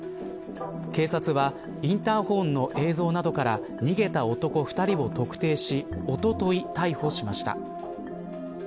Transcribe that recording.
警察はインターホンの映像などから逃げた男２人を特定しおととい、逮捕しました。